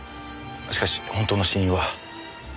しかし本当の死因は。